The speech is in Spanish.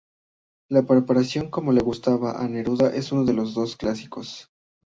La preparación como le gustaba a Neruda es uno de los clásicos.